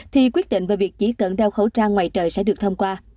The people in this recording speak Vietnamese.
thì quyết định về việc chỉ cần đeo khẩu trang ngoài trời sẽ được thông qua